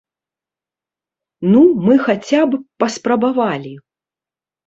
Ну, мы хаця б паспрабавалі.